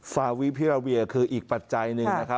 ฟาวีพิเวลาเวียคืออีกปัจจัยหนึ่ง